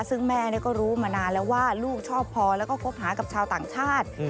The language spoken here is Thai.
ซึ่งแม่ก็รู้มานานแล้วว่าลูกชอบพอแล้วก็คบหากับชาวต่างชาติ